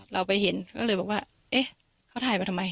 เราไปเห็นก็เลยบอกว่าเอ๊ะเขาถ่ายไปทำไม